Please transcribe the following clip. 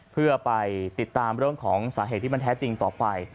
เพื่อไปติดตามเรื่องของสาเหตุที่มันแท้จริงต่อไป